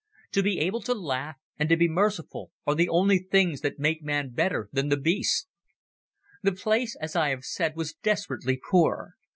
To be able to laugh and to be merciful are the only things that make man better than the beasts. The place, as I have said, was desperately poor.